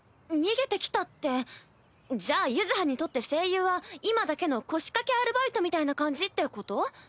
逃げてきたってじゃあ柚葉にとって声優は今だけの腰掛けアルバイトみたいな感じってこと？